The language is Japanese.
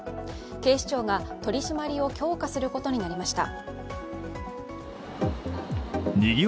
警視庁が取締りを強化することになりました。